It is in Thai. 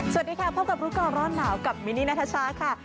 สวัสดีค่ะพบกับลูกกรอดนาวกับมินี้นาทชาส์ค่ะ